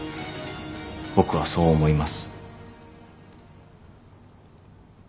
僕はそう思います。